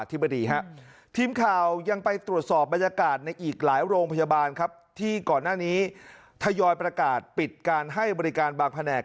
ทีมข่าวยังไปตรวจสอบบรรยากาศในอีกหลายโรงพยาบาลครับที่ก่อนหน้านี้ทยอยประกาศปิดการให้บริการบางแผนก